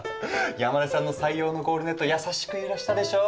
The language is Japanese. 山根さんの採用のゴールネット優しく揺らしたでしょう？